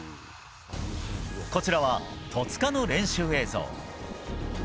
こちらは、戸塚の練習映像。